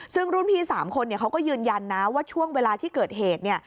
ซึ่งรุ่นพี่๓คนเขาก็ยืนยันนะว่าช่วงเวลาที่เกิดเหตุ